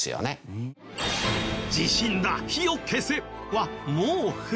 「地震だ火を消せ」はもう古い。